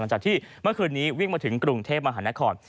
จากที่เมื่อคืนนี้วิ่งมาถึงกรุงเทพมหานคร